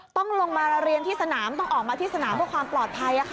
ต้องลงมาเรียนที่สนามต้องออกมาที่สนามเพื่อความปลอดภัย